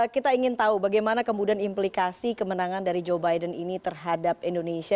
kita ingin tahu bagaimana kemudian implikasi kemenangan dari joe biden ini terhadap indonesia